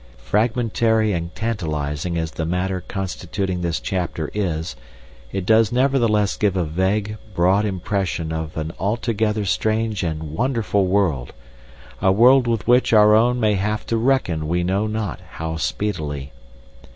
Fragmentary and tantalising as the matter constituting this chapter is, it does nevertheless give a vague, broad impression of an altogether strange and wonderful world—a world with which our own may have to reckon we know not how speedily.